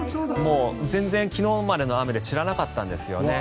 全然、昨日までの雨で散らなかったんですよね。